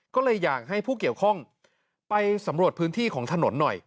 ก็เลยอยากให้ผู้เกี่ยวข้องไปสำรวจพื้นที่ของถนนหน่อย